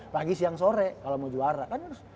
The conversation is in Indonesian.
pagi siang sore kalau mau juara kan harus